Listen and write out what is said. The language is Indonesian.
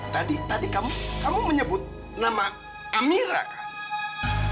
tadi tadi kamu menyebut nama amira kan